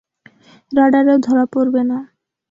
রাডারেও ধরা পড়বে না।